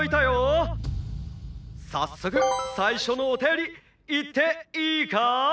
さっそくさいしょのおたよりいっていイカ？」。